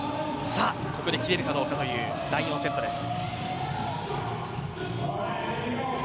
ここで切れるかどうかという第４セットです。